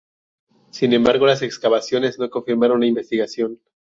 Sin embargo, las excavaciones no confirmaron la investigación.